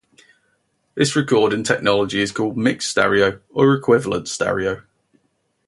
This recording technology is called mixed stereo or equivalence stereo.